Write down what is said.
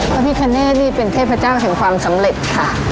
พระพิคเนตนี่เป็นเทพเจ้าแห่งความสำเร็จค่ะ